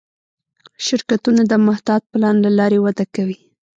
شرکتونه د محتاط پلان له لارې وده کوي.